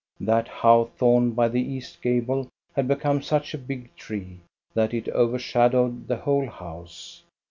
That haw thorn by the east gable had become such a big tree that it overshadowed the whole house.